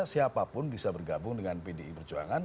siapapun bisa bergabung dengan pdi perjuangan